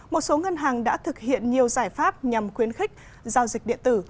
một số ngân hàng đã thực hiện nhiều giải pháp nhằm khuyến khích giao dịch điện tử